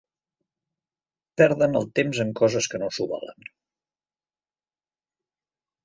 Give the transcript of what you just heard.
Perdent el temps en coses que no s'ho valen.